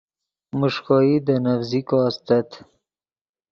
میݰکوئی دے نڤزیکو استت